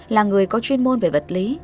là người có chuyên môn về vật lý